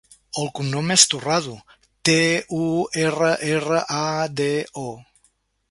El cognom és Turrado: te, u, erra, erra, a, de, o.